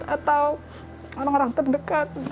atau orang orang terdekat